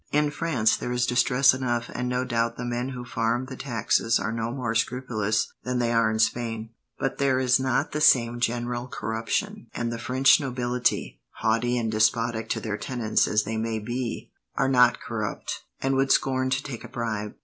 "In France there is distress enough, and no doubt the men who farm the taxes are no more scrupulous than they are in Spain, but there is not the same general corruption, and the French nobility, haughty and despotic to their tenants as they may be, are not corrupt, and would scorn to take a bribe.